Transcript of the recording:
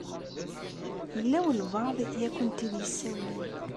Yella walebɛaḍ i akent-id-isawlen.